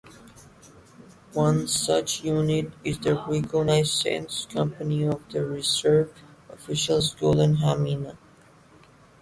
One such unit is the Reconnaissance Company of the Reserve Officer School in Hamina.